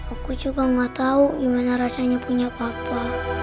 aku juga gak tahu gimana rasanya punya papa